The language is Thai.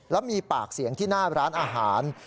แล้วมีปากเสียงที่หน้าร้านอาหาร